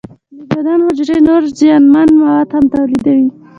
د بدن حجرې نور زیانمن مواد هم تولیدوي.